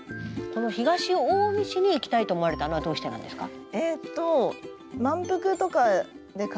この東近江市に行きたいと思われたのはどうしてなんですか？